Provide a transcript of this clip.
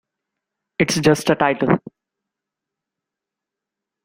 It's just a title.